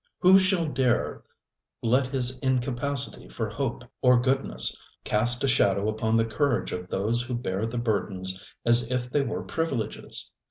Who shall dare let his incapacity for hope or goodness cast a shadow upon the courage of those who bear their burdens as if they were privileges?